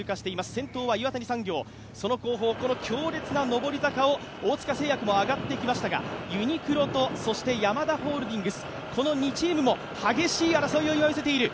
先頭は岩谷産業、その後方、強烈な上り坂を大塚製薬も上がってきましたがユニクロとそしてヤマダホールディングス、この２チームも激しい争いを見せている。